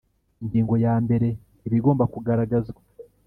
Ingingo ya mbere Ibigomba kugaragazwa